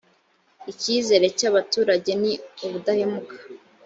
icyizere cy abaturage ni ubudahemuka